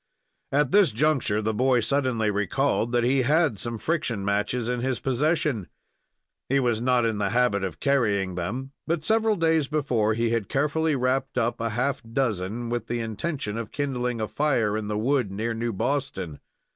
At this juncture, the boy suddenly recalled that he had some friction matches in his possession. He was not in the habit of carrying them, but several days before he had carefully wrapped up a half dozen, with the intention of kindling a fire in the wood near New Boston.